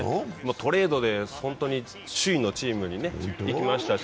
トレードで首位のチームに行きましたし。